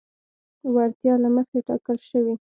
وړتیا له مخې ټاکل شوي.